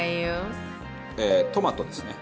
トマトですね。